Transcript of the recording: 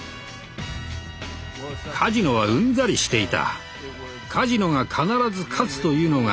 カジノはうんざりしていた。